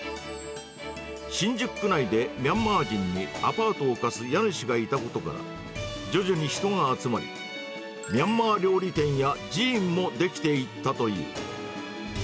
新宿区内でミャンマー人にアパートを貸す家主がいたことから、徐々に人が集まり、ミャンマー料理店や寺院も出来ていったという。